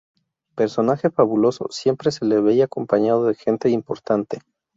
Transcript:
Personaje fabuloso, siempre se le veía acompañado de gente importante.